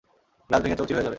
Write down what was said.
Glass ভেঙে চৌচির হয়ে যাবে!